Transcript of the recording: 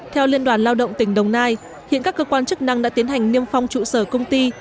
theo liên đoàn lao động tỉnh đồng nai hiện các cơ quan chức năng đã tiến hành niêm phong trụ sở công ty